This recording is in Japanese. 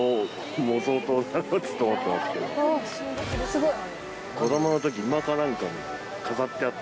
すごい。